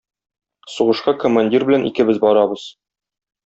Сугышка коммандир белән икебез барабыз.